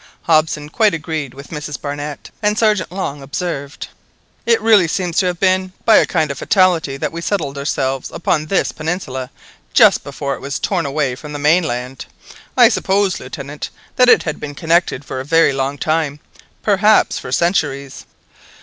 Hobson quite agreed with Mrs Barnett, and Sergeant Long observed— "It really seems to have been by a kind of fatality that we settled ourselves upon this peninsula just before it was torn away from the mainland. I suppose, Lieutenant, that it had been connected for a very long time, perhaps for centuries."